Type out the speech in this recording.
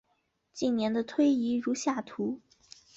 近年的推移如下表。